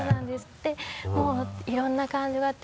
でもういろんな感情があって。